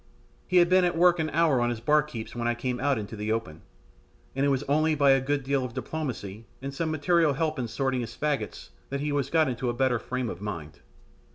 He had been at work an hour on his bark heaps when I came out into the open, and it was only by a good deal of diplomacy and some material help in sorting his faggots that he was got into a better frame of mind.